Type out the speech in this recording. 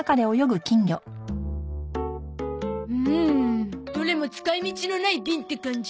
うーんどれも使い道のないビンって感じ？